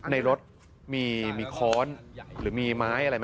ในรถมีค้อนหรือมีไม้อะไรไหม